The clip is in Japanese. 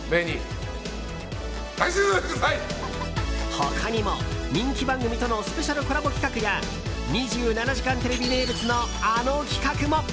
他にも、人気番組とのスペシャルコラボ企画や「２７時間テレビ」名物のあの企画も。